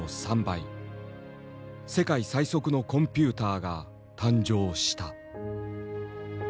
世界最速のコンピューターが誕生した。